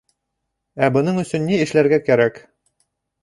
Ә бының өсөн ни эшләргә кәрәк?